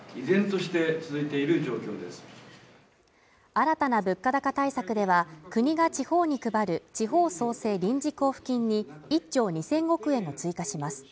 新たな物価高対策では国が地方に配る地方創生臨時交付金に１兆２０００億円を追加します。